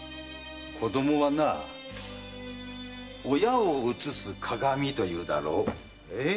子供はな親を映す鏡というだろう。